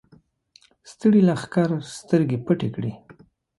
ستړي لښکر سترګې پټې کړې.